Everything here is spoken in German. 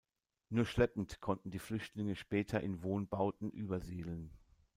Nur schleppend konnten die Flüchtlinge später in Wohnbauten übersiedeln.